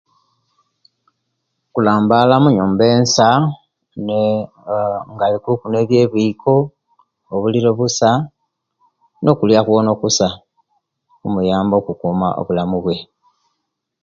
Kulambala omunyumba ensa nga olikuku ne'byebwiko, obulili obusa no'kulya kwona kusa kumuyamba okukuuma obulamu bwe